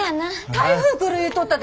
台風来る言うとったで。